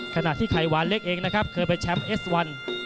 ขณะที่ไข่หวานเล็กเองนะครับเคยไปแชมป์เอสวัน